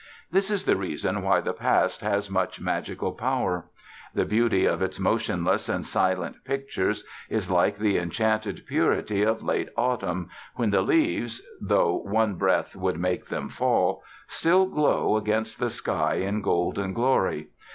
This is the reason why the Past has such magical power. The beauty of its motionless and silent pictures is like the enchanted purity of late autumn, when the leaves, though one breath would make them fall, still glow against the sky in golden glory.